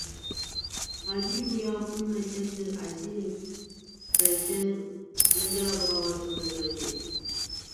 Habibu ya kunna kyandir a shirin ƙarshe na jarabawarsa ta ƙarshe.